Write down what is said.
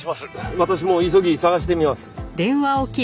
私も急ぎ探してみます。